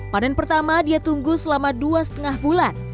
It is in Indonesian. panen pertama dia tunggu selama dua lima bulan